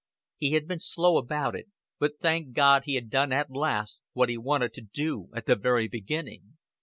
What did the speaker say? He had been slow about it; but, thank God, he had done at last what he wanted to do at the very beginning.